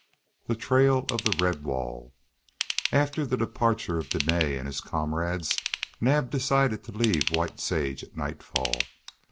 THE TRAIL OF THE RED WALL AFTER the departure of Dene and his comrades Naab decided to leave White Sage at nightfall.